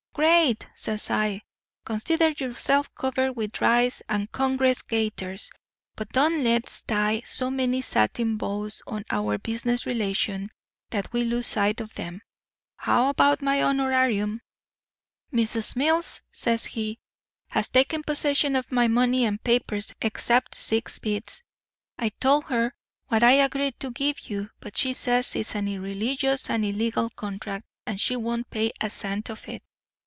"'Great!' says I. 'Consider yourself covered with rice and Congress gaiters. But don't let's tie so many satin bows on our business relations that we lose sight of 'em. How about my honorarium?' "'Missis Mills,' says he, 'has taken possession of my money and papers except six bits. I told her what I'd agreed to give you; but she says it's an irreligious and illegal contract, and she won't pay a cent of it.